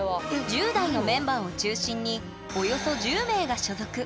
１０代のメンバーを中心におよそ１０名が所属。